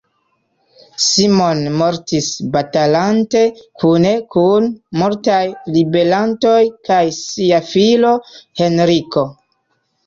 Simon mortis batalante, kune kun multaj ribelantoj kaj sia filo Henriko.